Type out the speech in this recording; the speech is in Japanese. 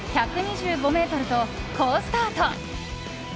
１２５ｍと好スタート。